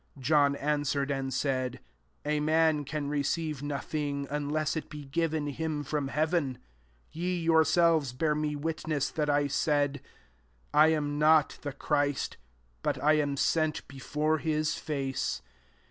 '* 27 John an swered imd said, '* A man can receive nothing, unless it be jiven him from heav^). 28 Ye yourselves bear me witness, that [ said, ^ i am not the Christ, but I am sent before his face.